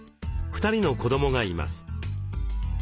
２人の子どもがいます。